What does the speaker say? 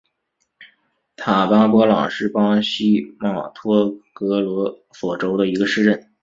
塔巴波朗是巴西马托格罗索州的一个市镇。